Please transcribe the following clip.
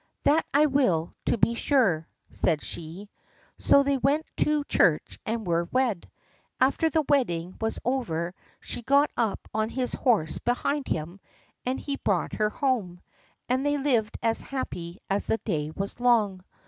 "That I will, to be sure," said she. So they went to church and were wed. After the wedding was over, she got up on his horse behind him, and he brought her home. And they lived as happy as the day was long.